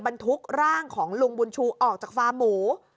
บรรทุกร่างของลุงบุญชูออกจากฟาร์มหมู